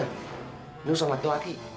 nggak usah laki laki